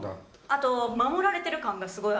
あと守られてる感がすごい。